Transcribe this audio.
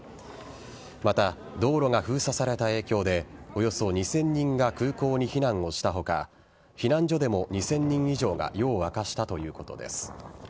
また、道路が封鎖された影響でおよそ２０００人が空港に避難をした他避難所でも２０００人以上が夜を明かしたということです。